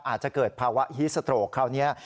อาจจะเกิดภาวะฮิสโตรกคราวนี้